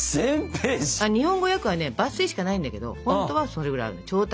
日本語訳はね抜粋しかないんだけどほんとはそれぐらいあるの超大作。